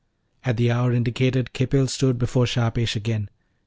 At the hour indicated Khipil stood before Shahpesh again.